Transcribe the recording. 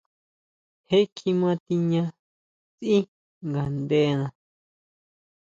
Je kjima tiña sʼí ngaʼndena.